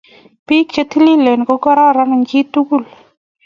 Beek che tililen ko kororon eng chi tugul.